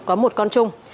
có một con chung